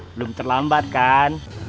belum terlambat kan